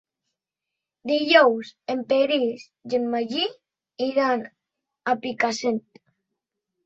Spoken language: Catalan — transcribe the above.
Dijous en Peris i en Magí iran a Picassent.